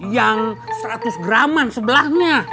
yang seratus graman sebelahnya